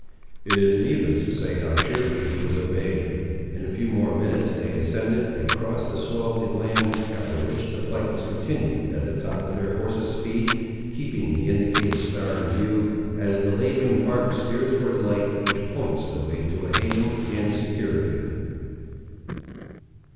It is needless to say how cheerfully he was obeyed. In a few more minutes they ascended and crossed a swell of the land, after which the flight was continued at the top of their horses' speed, keeping the indicated star in view, as the labouring bark steers for the light which points the way to a haven and security.